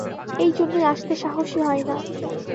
এইজন্যই আসতে সাহসই হয় না।